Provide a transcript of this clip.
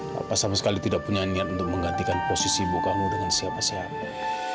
bapak sama sekali tidak punya niat untuk menggantikan posisi bukamu dengan siapa siapa